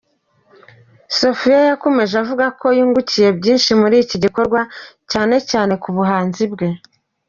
Sophia yakomeje avuga ko yungukiye byinshi muri iki gikorwa cyane cyane ku buhanzi bwe.